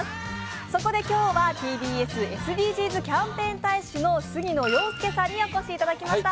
そこで今日は、ＴＢＳ・ＳＤＧｓキャンペーン大使の杉野遥亮さんにお越しいただきました。